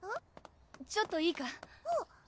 ちょっといいか？